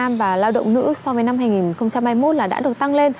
nam và lao động nữ so với năm hai nghìn hai mươi một là đã được tăng lên